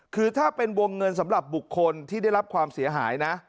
คือถ้าเป็นวงเงินสำหรับบุคคลที่ได้รับความเสียหายนะ